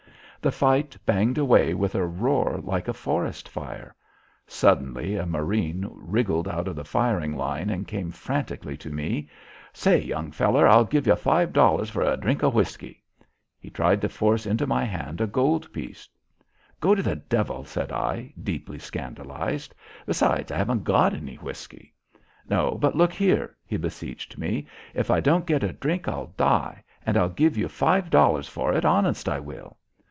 The fight banged away with a roar like a forest fire. Suddenly a marine wriggled out of the firing line and came frantically to me. "Say, young feller, I'll give you five dollars for a drink of whisky." He tried to force into my hand a gold piece. "Go to the devil," said I, deeply scandalised. "Besides, I haven't got any whisky," "No, but look here," he beseeched me. "If I don't get a drink I'll die. And I'll give you five dollars for it. Honest, I will."